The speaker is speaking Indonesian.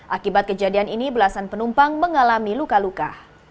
akibat kejadian ini belasan penumpang mengalami luka luka